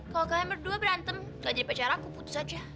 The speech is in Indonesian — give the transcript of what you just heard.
kalau kalian berdua berantem kalian jadi pacar aku putus aja